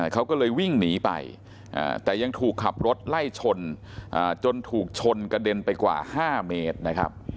เขาก็เลยวิ่งหนีไปแต่ยังถูกขับรถไล่ชนจนถูกชนกระเด็นไปกว่า๕เมตรนะครับ